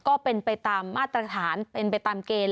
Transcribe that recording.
ก็เป็นไปตามมาตรฐานเป็นไปตามเกณฑ์